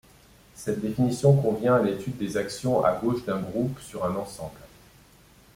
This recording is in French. Cette définition convient à l'étude des actions à gauche d'un groupe sur un ensemble.